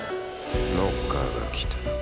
ノッカーが来た。